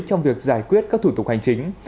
trong việc giải quyết các thủ tục hành chính